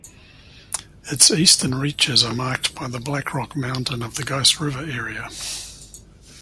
Its eastern reaches are marked by the Blackrock Mountain of the Ghost River Area.